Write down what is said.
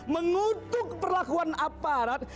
mengutuk perlakuan aparat